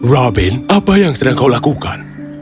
robin apa yang sedang kau lakukan